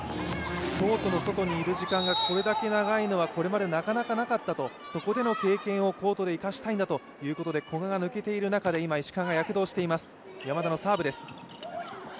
コートの外にいる時間がこれまで長いのは、なかなかなかったと、そこでの経験をコートで生かしたいんだということで、古賀が抜けている中で今、石川が躍動しています。